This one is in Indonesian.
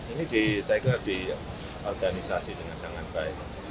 ini saya kira diorganisasi dengan sangat baik